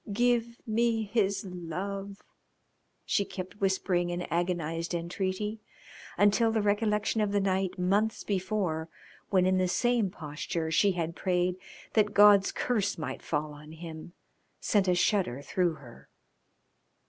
Give me his love!" she kept whispering in agonised entreaty, until the recollection of the night, months before, when in the same posture she had prayed that God's curse might fall on him, sent a shudder through her.